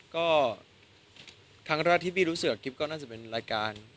ก็ทั้งระดาษที่บีรู้สึกว่ากริ๊ปก็น่าจะเป็นรายการ